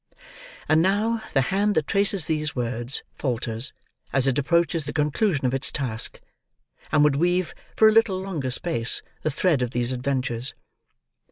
And now, the hand that traces these words, falters, as it approaches the conclusion of its task; and would weave, for a little longer space, the thread of these adventures.